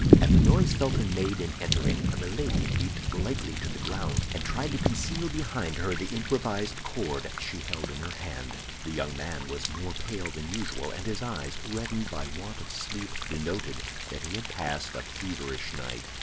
At the noise Felton made in entering, Milady leaped lightly to the ground, and tried to conceal behind her the improvised cord she held in her hand. The young man was more pale than usual, and his eyes, reddened by want of sleep, denoted that he had passed a feverish night.